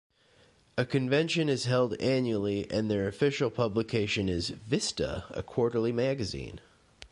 A convention is held annually, and their official publication is "Vista", a quarterly magazine.